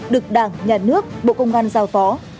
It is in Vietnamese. được đảng nhà nước bộ công an giao phó